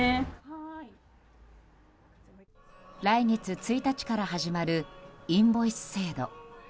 来月１日から始まるインボイス制度。